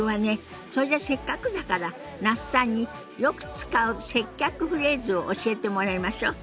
それじゃせっかくだから那須さんによく使う接客フレーズを教えてもらいましょ。